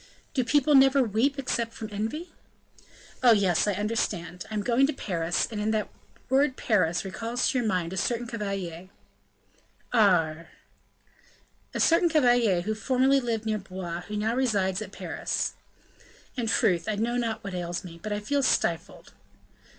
"Do people never weep except from envy?" "Oh! yes, I understand; I am going to Paris and that word Paris recalls to your mind a certain cavalier " "Aure!" "A certain cavalier who formerly lived near Blois, and who now resides at Paris." "In truth, I know not what ails me, but I feel stifled."